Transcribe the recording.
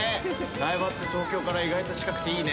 苗場って東京から意外と近くていいね。